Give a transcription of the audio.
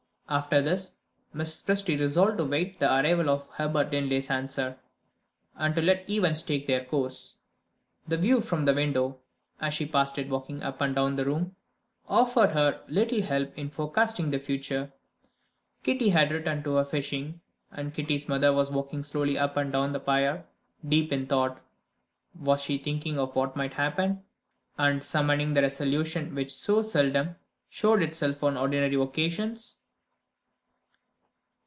After this, Mrs. Presty resolved to wait the arrival of Herbert Linley's answer, and to let events take their course. The view from the window (as she passed it, walking up and down the room) offered her little help in forecasting the future. Kitty had returned to her fishing; and Kitty's mother was walking slowly up and down the pier, deep in thought. Was she thinking of what might happen, and summoning the resolution which so seldom showed itself on ordinary occasions?